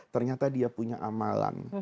ternyata dia punya amalan